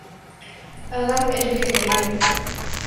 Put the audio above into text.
Adam es vegetariano.